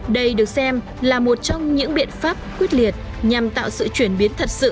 đây được xem là một trong những biện pháp quyết liệt nhằm tạo sự chuyển biến thật sự